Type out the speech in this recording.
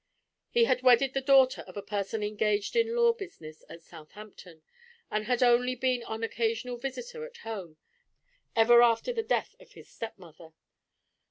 He had wedded the daughter of a person engaged in law business at Southampton, and had only been an occasional visitor at home, ever after the death of his stepmother.